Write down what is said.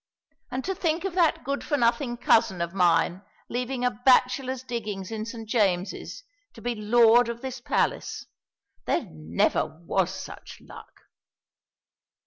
And to think of that good for nothing cousin of mine leaving a bachelor's diggings in St. James's to be lord of this palace. There never was such luck!"